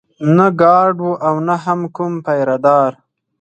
نه ګارډ و او نه هم کوم پيره دار.